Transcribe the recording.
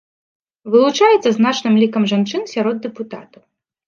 Вылучаецца значным лікам жанчын сярод дэпутатаў.